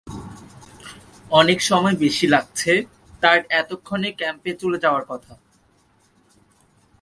সময় অনেক বেশী লাগছে, তার এতক্ষণে ক্যাম্পে চলে যাওয়ার কথা।